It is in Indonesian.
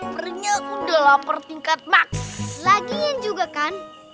berutku sudah seperti loncongan